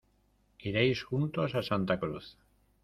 Iréis juntos a Santa Cruz.